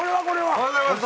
おはようございます。